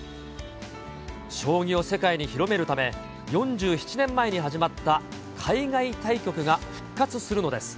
将棋を世界に広めるため、４７年前に始まった海外対局が復活するのです。